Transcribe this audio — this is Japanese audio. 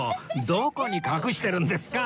どこに隠してるんですか！